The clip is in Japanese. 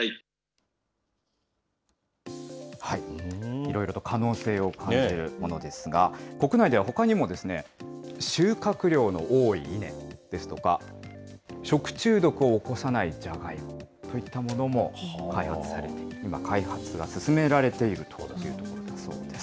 いろいろと可能性を感じるものですが、国内ではほかにも、収穫量の多いイネですとか、食中毒を起こさないジャガイモといったものも今、開発が進められているというところだそうです。